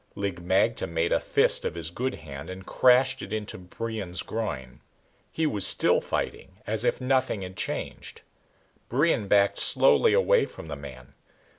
Lig magte made a fist of his good hand and crashed it into Brion's groin. He was still fighting, as if nothing had changed. Brion backed slowly away from the man.